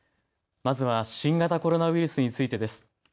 まずは新型コロナウイルスについてです。